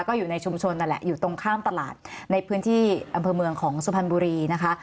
ก็อยู่ในชุมชนนั่นแหละอยู่ตรงข้ามตลาดในพื้นที่อำเภอเมืองของสุพรรณบุรีนะคะ